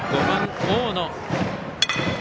５番、大野。